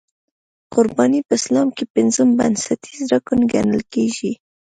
قرباني په اسلام کې پنځم بنسټیز رکن ګڼل کېږي.